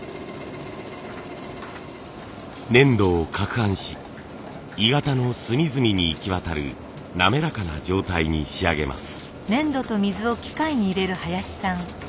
粘土をかくはんし鋳型の隅々に行き渡る滑らかな状態に仕上げます。